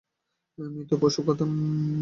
মৃত পশু খেতাম।